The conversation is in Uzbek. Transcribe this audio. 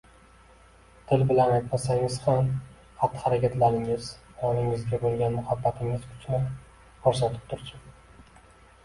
Til bilan aytmasangiz ham xatti-harakatingiz ayolingizga bo‘lgan muhabbatingiz kuchini ko‘rsatib tursin.